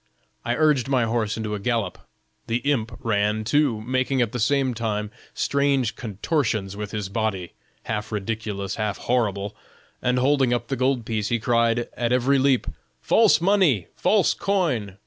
I urged my horse into a gallop; the imp ran too, making at the same time strange contortions with his body, half ridiculous, half horrible, and holding up the gold piece, he cried, at every leap, 'False money!, false coin!